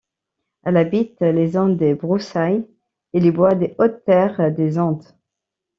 Elle habite les zones de broussailles et les bois des hautes-terres des Andes.